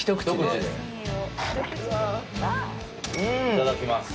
いただきます。